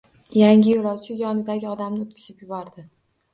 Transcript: Yangi yo’lovchi yonidagi odamni o’tkazib yubordi